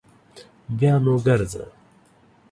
بیا نو ګرځه